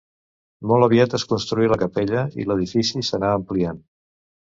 Molt aviat es construí la capella i l'edifici s'anà ampliant.